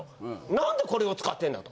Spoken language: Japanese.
なんでこれを使ってんだ？と。